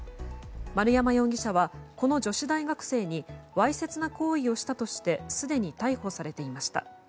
丸山容疑者は、この女子大学生にわいせつな行為をしたとしてすでに逮捕されていました。